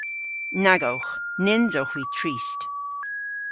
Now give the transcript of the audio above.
Nag owgh. Nyns owgh hwi trist.